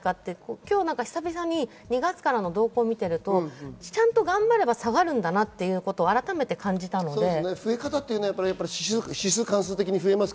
今日、ひさびさに２月からの動向を見ていると、ちゃんと頑張れば下がるんだなと改めて感じました。